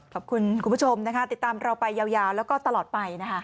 ขอบคุณคุณผู้ชมนะคะติดตามเราไปยาวแล้วก็ตลอดไปนะคะ